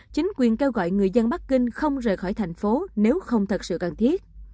chính quyền kêu gọi người dân bắc kinh không rời khỏi thành phố nếu không thật sự cần thiết